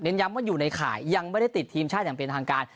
ย้ำว่าอยู่ในข่ายยังไม่ได้ติดทีมชาติอย่างเป็นทางการ